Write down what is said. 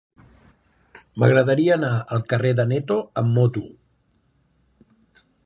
M'agradaria anar al carrer d'Aneto amb moto.